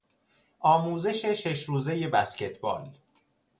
آموزش شش روزهی بسکتبال